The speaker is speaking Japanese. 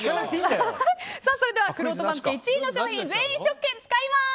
それでは、くろうと番付１位の商品全員試食券を使います。